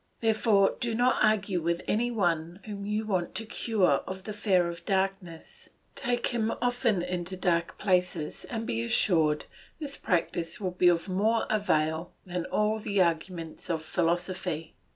Therefore do not argue with any one whom you want to cure of the fear of darkness; take him often into dark places and be assured this practice will be of more avail than all the arguments of philosophy.